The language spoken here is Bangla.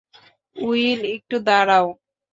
উইল, একটু দাঁড়াও।